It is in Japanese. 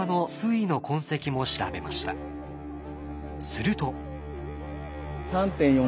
すると。